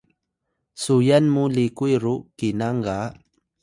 suyan mu likuy ru kinang ga